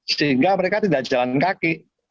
sehingga mereka tidak jalan kaki